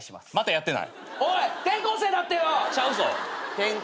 またやってんな。